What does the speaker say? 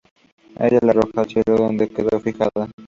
Ella la arrojó al cielo, donde quedó fijada.